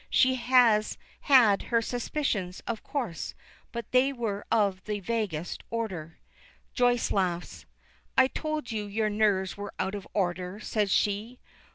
She has had her suspicions, of course, but they were of the vaguest order. Joyce laughs. "I told you your nerves were out of order," says she.